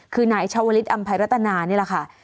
คือนายชาวลิศอำภัยรัตนานี่แหละค่ะ